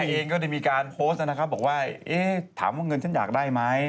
เองก็ได้มีการโพสต์นะครับบอกว่าเอ๊ะถามว่าเงินฉันอยากได้ไหม